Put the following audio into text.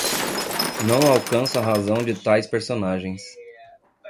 Não alcanço a razão de tais personagens.